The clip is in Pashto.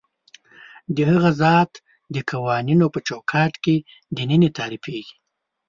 د هغه ذات د قوانینو په چوکاټ کې دننه تعریفېږي.